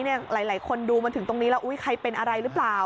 หลายคนดูมาถึงตรงนี้แล้วใครเป็นอะไรหรือเปล่า